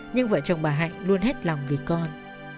nhưng vợ chồng bà hạnh luôn hết lòng vì con